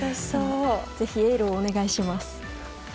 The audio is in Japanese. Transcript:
ぜひエールをお願いします。